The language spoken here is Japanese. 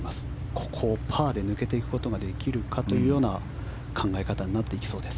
ここをパーで抜けていくことができるかというような考え方になっていきそうです。